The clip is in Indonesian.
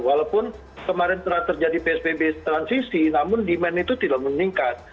walaupun kemarin telah terjadi psbb transisi namun demand itu tidak meningkat